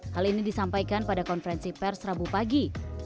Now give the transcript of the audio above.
hal ini disampaikan pada konferensi pers rabu pagi